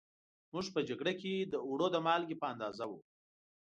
موږ په جگړه کې د اوړو د مالگې په اندازه وو